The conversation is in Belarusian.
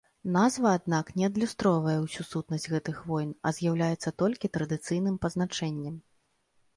Назва, аднак, не адлюстроўвае ўсю сутнасць гэтых войн, а з'яўляецца толькі традыцыйным пазначэннем.